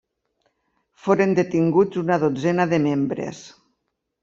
Foren detinguts una dotzena de membres.